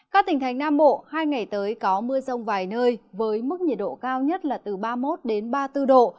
các tỉnh thành nam bộ hai ngày tới có mưa rông vài nơi với mức nhiệt độ cao nhất là từ ba mươi một ba mươi bốn độ